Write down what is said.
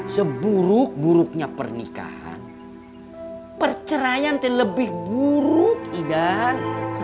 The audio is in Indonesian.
seburuk buruknya pernikahan perceraian itu lebih buruk idan